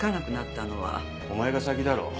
お前が先だろ。